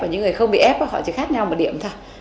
những người không bị ép họ chỉ khác nhau một điểm thôi